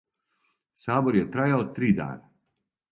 Сабор је трајао три дана.